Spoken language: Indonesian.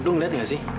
kau lihat gak sih